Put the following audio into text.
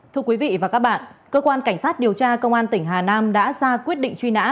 thưa quý vị và các bạn cơ quan cảnh sát điều tra công an tỉnh hà nam đã ra quyết định truy nã